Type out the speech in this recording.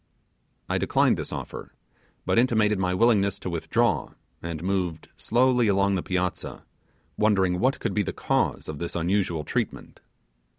I declined this offer, but intimated my willingness to withdraw, and moved slowly along the piazza, wondering what could be the cause of this unusual treatment.